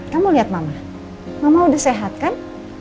kamu lihat mama mama udah sehat kan